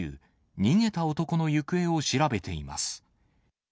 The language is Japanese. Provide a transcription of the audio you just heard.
逃げた男の行方を調べています。